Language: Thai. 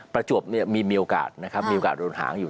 ประจวบเนี่ยมีโอกาสนะครับมีโอกาสโดนหางอยู่